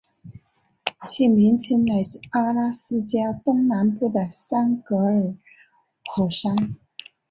其名称来自阿拉斯加东南部的兰格尔火山。